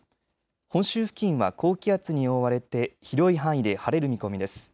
本州付近は高気圧に覆われて広い範囲で晴れる見込みです。